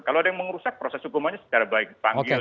kalau ada yang mengurusak proses hukumannya secara baik dipanggil